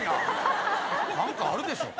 何かあるでしょ。